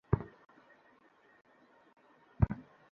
এই কেসের সাথে তার কোনো সম্পর্ক নেই।